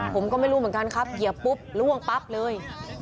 ผมก็ไม่รู้เหมือนกันครับเหยียบปุ๊บล่วงปั๊บเลย